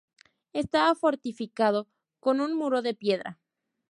Estaba fortificado con un muro de piedra.